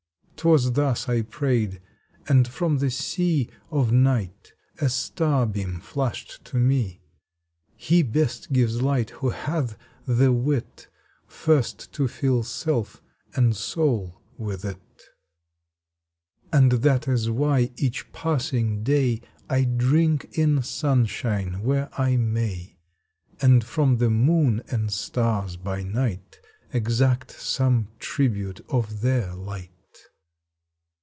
Twas thus I prayed, and from the sea Of night a star beam flashed to me "He best gives light who hath the wit First to fill self and soul with it." And that is why each passing day I drink in sunshine where I may, And from the Moon and Stars by night Exact some tribute of their light.